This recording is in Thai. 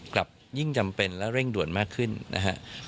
กลับยิ่งจำเป็นและเร่งด่วนมากขึ้นนะครับ